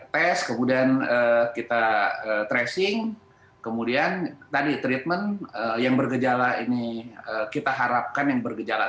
tes kemudian kita tracing kemudian tadi treatment yang bergejala ini kita harapkan yang bergejala